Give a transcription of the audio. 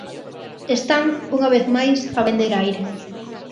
Están, unha vez máis, a vender aire.